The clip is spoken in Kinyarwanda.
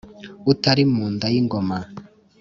utari mu nda y' ingoma